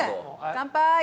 乾杯！